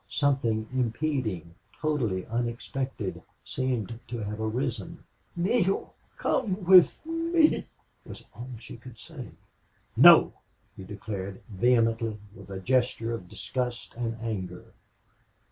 Something impeding, totally unexpected, seemed to have arisen. "Neale come with me!" was all she could say. "No!" he declared, vehemently, with a gesture of disgust and anger.